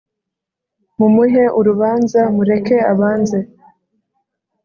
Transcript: Mumuhe urubanza Mureke abanze